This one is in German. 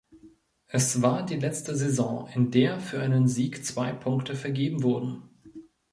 Es war die letzte Saison, in der für einen Sieg zwei Punkte vergeben wurden.